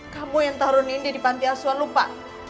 kamu yang taruh nindi di panti asuhan lupa